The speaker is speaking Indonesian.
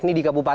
ini ada tiga